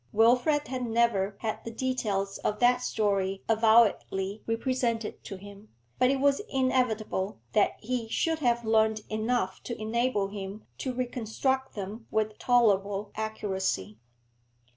Wilfrid had never had the details of that story avowedly represented to him, but it was inevitable that he should have learnt enough to enable him to reconstruct them with tolerable accuracy.